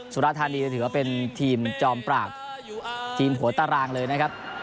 สุรธานีถือว่าเป็นทีมจอมปรากทีมหัวตารางเลยนะครับ